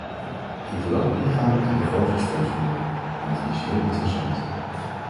Ik wil ook ingaan op de begrotingsprocedure, want die is heel interessant.